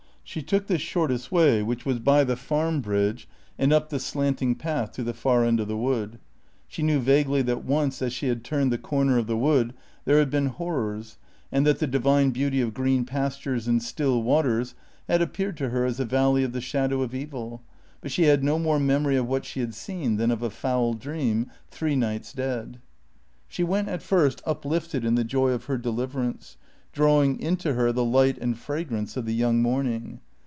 She took the shortest way which was by the Farm bridge and up the slanting path to the far end of the wood. She knew vaguely that once, as she had turned the corner of the wood, there had been horrors, and that the divine beauty of green pastures and still waters had appeared to her as a valley of the shadow of evil, but she had no more memory of what she had seen than of a foul dream, three nights dead. She went at first uplifted in the joy of her deliverance, drawing into her the light and fragrance of the young morning.